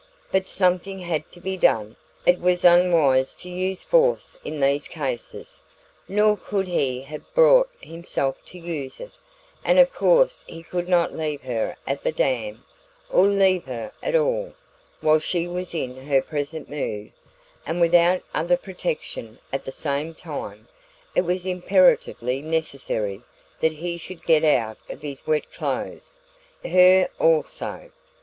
But something had to be done. It was unwise to use force in these cases nor could he have brought himself to use it and of course he could not leave her at the dam, or leave her at all, while she was in her present mood, and without other protection; at the same time, it was imperatively necessary that he should get out of his wet clothes her also.